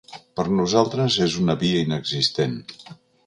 Per nosaltres és una via inexistent.